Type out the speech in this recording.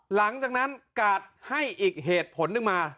หลังจากนั้นกาดให้อีกเหตุผลหนึ่งมา